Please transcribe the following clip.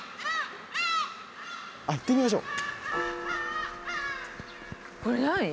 行ってみましょう！